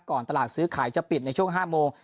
ตลาดซื้อขายจะปิดในช่วง๕โมง